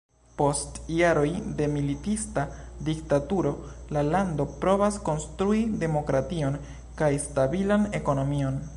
Post jaroj de militista diktaturo la lando provas konstrui demokration kaj stabilan ekonomion.